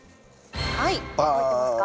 はい覚えてますか？